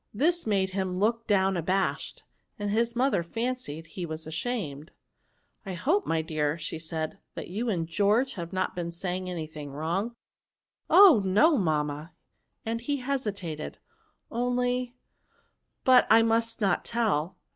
This made him look down abashed, and his mother fancied he was ashamed. " I hope, my dear," said she, " that you and George have not been saying any thing wrong?" *' Oh ! no, mamma, —" and he hesitated, " only — but I must not tell."